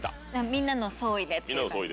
みんなの総意でっていう感じ。